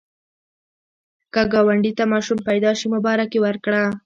که ګاونډي ته ماشوم پیدا شي، مبارکي ورکړه